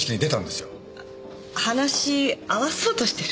話合わそうとしてる？